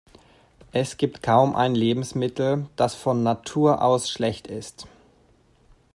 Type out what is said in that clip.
Es gibt kaum ein Lebensmittel, das von Natur aus schlecht ist.